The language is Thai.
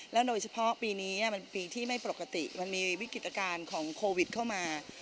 โดยเฉพาะปีนี้มันปีที่ไม่ปกติมันมีวิกฤตการณ์ของโควิดเข้ามา